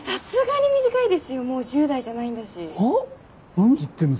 何言ってんの？